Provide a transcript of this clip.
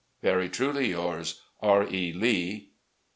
... "Very truly yours, "R. E. Lee."